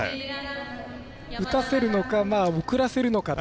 打たせるのか送らせるのかと。